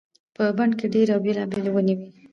په بڼ کې ډېرې او بېلابېلې ونې وي.